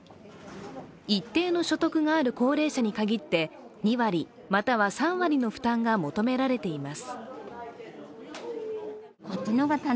一定の所得がある高齢者に限って２割または３割の負担が求められています。